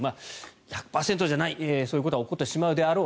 １００％じゃないそういったことは起こってしまうだろう